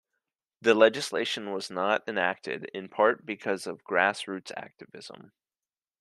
The legislation was not enacted, in part because of grass-roots activism.